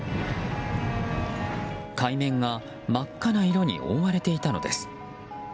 海面が真っ赤な色に覆われていたのです。